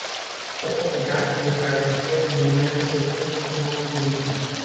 Autodidacte, il fabriquait lui-même ses instruments de musique.